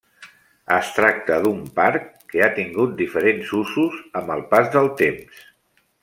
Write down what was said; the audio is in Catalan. Es tracta d'un parc que ha tingut diferents usos amb el pas del temps.